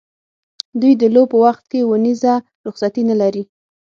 دوی د لو په وخت کې اونیزه رخصتي نه لري.